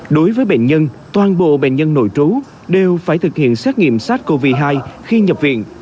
đối với bệnh nhân toàn bộ bệnh nhân nội trú đều phải thực hiện xét nghiệm sars cov hai khi nhập viện